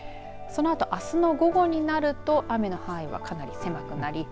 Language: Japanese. そのあと、あすの午後になると雨の範囲は、かなり狭くなり